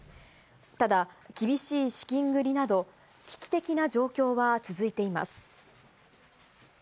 ただ、厳しい資金繰りなど、危機的な状況は続いています。